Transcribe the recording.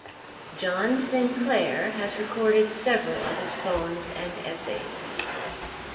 John Sinclair has recorded several of his poems and essays.